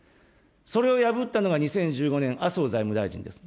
それを破ったのが２０１５年、麻生財務大臣です。